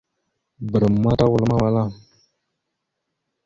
Bəram ma tawal mawala.